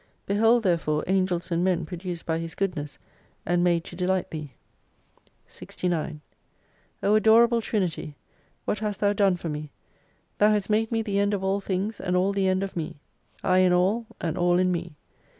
Behold therefore Angels and Men produced by His goodness and made to delight thee. 69 O Adorable Trinity ! What hast Thou done for me ? Thou hast made me the end of all things, and all the end of me. I in all, and all in me.